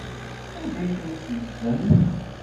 Anda ay ten-teddzemt?